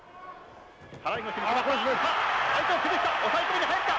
払い腰、相手を崩した、抑え込みに入った。